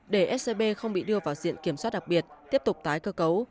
để scb không bị đưa vào diện kiểm soát đặc biệt tiếp tục tái cơ cấu